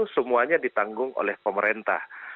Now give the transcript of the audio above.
semuanya ditanggung oleh pemerintah